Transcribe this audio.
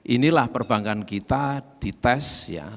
inilah perbankan kita di tes